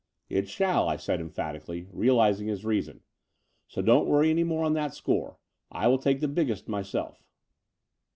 "It shall," I said emphatically, realizing his reason: "so don't worry any more on that score. I will take the biggest myself."